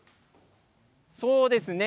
そうですね。